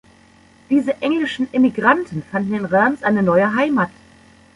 Diese englischen Emigranten fanden in Reims eine neue Heimat.